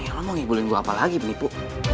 lo mau ngibulin gue apa lagi penipu